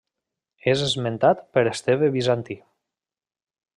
És esmentat per Esteve Bizantí.